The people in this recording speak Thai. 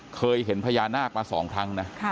เคยเห็นพญานาคมา๒ครั้งนะ